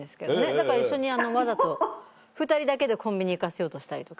だから一緒にわざと２人だけでコンビニ行かせようとしたりとか。